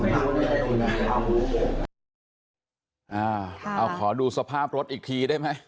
เอาขอดูสภาพรถอีกทีได้ไหม